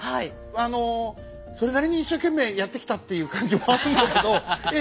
あのそれなりに一生懸命やってきたっていう感じもあるんだけどえっ